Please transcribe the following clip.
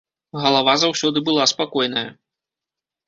Галава заўсёды была спакойная.